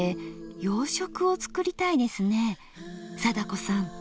貞子さん。